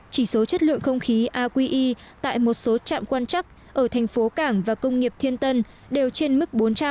chỉ số chất lượng không khí aqi tại một số trạm quan chắc ở thành phố cảng và công nghiệp thiên tân đều trên mức bốn trăm linh